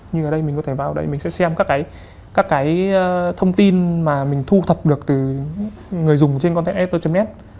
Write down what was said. như ở đây mình có thể vào đây mình sẽ xem các cái thông tin mà mình thu thập được từ người dùng trên content editor net